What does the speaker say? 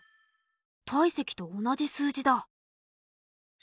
体積と同じ数字だ。